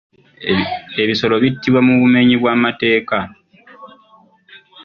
Ebisolo bittibwa mu bumenyi bw'amateeka.